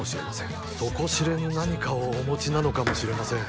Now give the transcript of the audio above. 底知れぬ何かをお持ちなのかもしれません。